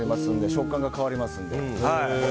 食感が変わりますので。